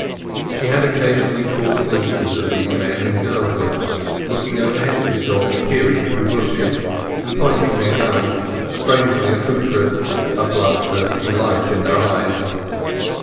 She had occasionally caught glimpses of these men in girlhood, looking over hedges, or peeping through bushes, and pointing their guns, strangely accoutred, a bloodthirsty light in their eyes.